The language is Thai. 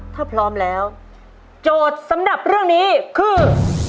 ถ้าพร้อมแล้วโจทย์สำหรับเรื่องนี้คือ